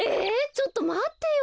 ちょっとまってよ。